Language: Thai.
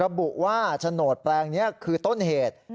ระบุว่าโฉนดแปลงนี้คือต้นเหตุ